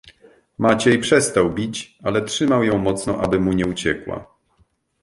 "Maciej przestał bić, ale trzymał ją mocno, aby mu nie uciekła."